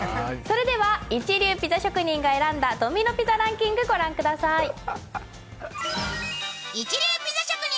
それでは、一流ピザ職人が選んだドミノ・ピザランキング、御覧ください。